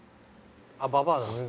あっババアだ。